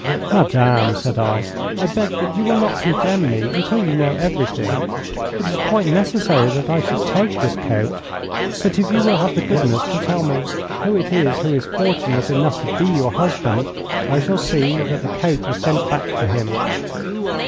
'Madame,' said I, 'I beg that you will not condemn me until you know everything. It is quite necessary that I should take this coat, but if you will have the goodness to tell me who it is who is fortunate enough to be your husband, I shall see that the coat is sent back to him.'